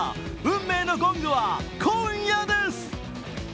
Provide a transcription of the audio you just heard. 運命のゴングは今夜です。